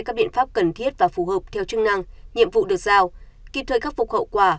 các biện pháp cần thiết và phù hợp theo chức năng nhiệm vụ được giao kịp thời khắc phục hậu quả